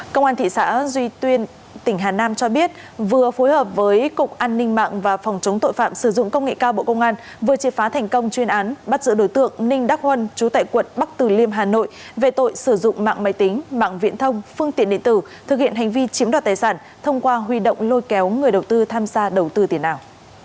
công an thị xã duy tuyên tỉnh hà nam cho biết vừa phối hợp với cục an ninh mạng và phòng chống tội phạm sử dụng công nghệ cao bộ công an vừa triệt phá thành công chuyên án bắt giữ đối tượng ninh đắc huân chú tại quận bắc từ liêm hà nội về tội sử dụng mạng máy tính mạng viện thông phương tiện điện tử thực hiện hành vi chiếm đoạt tài sản thông qua huy động lôi kéo người đầu tư tham gia đầu tư tiền ảo